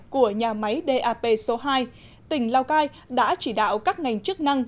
của nhà máy dap số hai tỉnh lao cai đã chỉ đạo các ngành chức năng